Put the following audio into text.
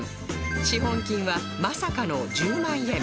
資本金はまさかの１０万円